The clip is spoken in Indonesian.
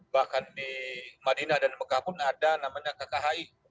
bahkan di madinah dan mekah pun ada namanya kkhi